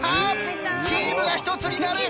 チームが１つになる。